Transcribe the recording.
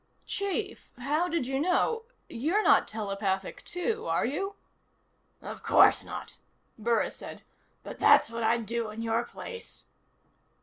"Chief, how did you know you're not telepathic too, are you?" "Of course not," Burris said. "But that's what I'd do in your place."